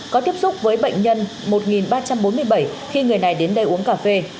có tiếp xúc với bệnh nhân một ba trăm bốn mươi bảy khi người này đến đây uống cà phê